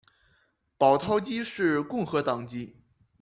保陶基是共和党籍。